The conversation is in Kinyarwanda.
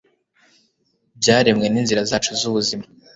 byaremwe n'inzira zacu z'ubuzima